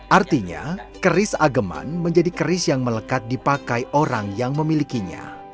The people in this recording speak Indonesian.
artinya keris ageman menjadi keris yang melekat dipakai orang yang memilikinya